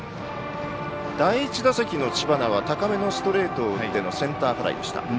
第１打席の知花は高めのストレートを打ってのセンターフライでした。